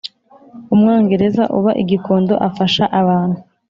Umwongereza uba i Gikondo afasha abantu.